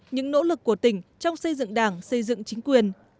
những nỗ lực của tỉnh trong xây dựng đảng xây dựng chính quyền